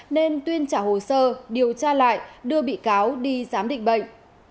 nên tuyên trả hồ sơ điều tra lại đưa bị cáo đi giám định bệnh